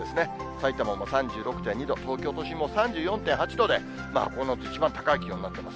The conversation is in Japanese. さいたまも３６．２度、東京都心も３４．８度で、この夏、一番高い気温になっています。